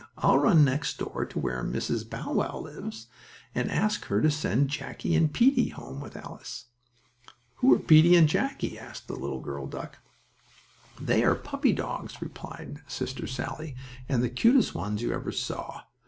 I'll run next door, to where Mrs. Bow Wow lives, and ask her to send Jackie and Peetie home with Alice." "Who are Peetie and Jackie?" asked the little girl duck. "They are puppy dogs," replied Sister Sallie, "and the cutest ones you ever saw!